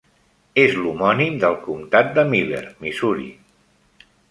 És l'homònim del comtat de Miller, Missouri.